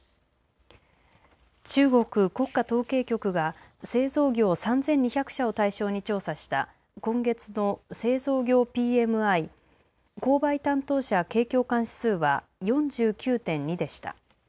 中国国家統計局が製造業３２００社を対象に調査した今月の製造業ＰＭＩ・購買担当者景況感指数は４９．２でした。